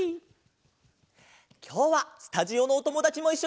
きょうはスタジオのおともだちもいっしょだよ！